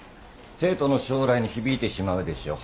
生徒の将来に響いてしまうでしょ。